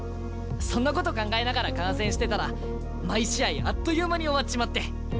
そんなこと考えながら観戦してたら毎試合あっという間に終わっちまって。